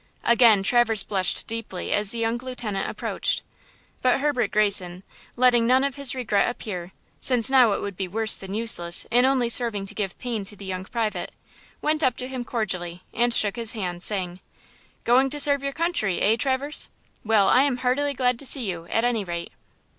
Again Traverse blushed deeply as the young lieutenant approached. But Herbert Greyson, letting none of his regret appear, since now it would be worse than useless in only serving to give pain to the young private, went up to him cordially and shook his hands, saying: "Going to serve your country, eh, Traverse? Well, I am heartily glad to see you, at any rate."